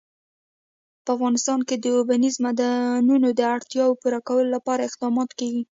په افغانستان کې د اوبزین معدنونه د اړتیاوو پوره کولو لپاره اقدامات کېږي.